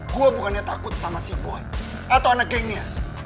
gue bukannya takut sama si boen atau anak gengnya